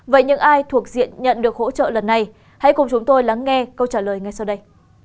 vậy những ai thuộc diện nhận được hỗ trợ lần này hãy cùng chúng tôi lắng nghe câu trả lời ngay sau đây